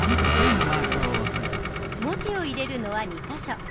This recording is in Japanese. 文字を入れるのは２か所。